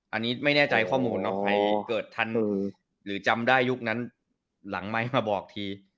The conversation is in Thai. อันนี้ไม่แน่ใจข้อมูลเนาะใครเกิดทันหรือจำได้ยุคนั้นหลังไหมมาบอกที